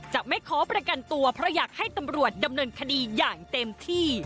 จะไม่ขอประกันตัวเพราะอยากให้ตำรวจดำเนินคดีอย่างเต็มที่